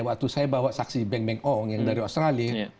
waktu saya bawa saksi beng beng ong yang dari australia